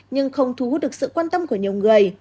nhưng không thu hút được sự quan tâm của nhiều người